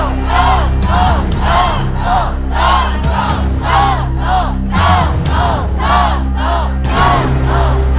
สู้ค่ะสู้ครับ